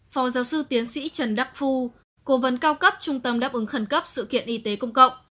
phó giáo sư tiến sĩ trần đắc phu cố vấn cao cấp trung tâm đáp ứng khẩn cấp sự kiện y tế công cộng